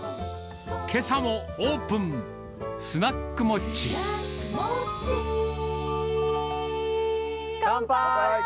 けさもオープン、スナックモッチ乾杯。